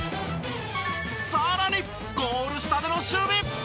さらにゴール下での守備！